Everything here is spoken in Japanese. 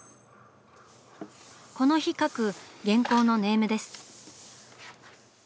この日描く原稿のネームです。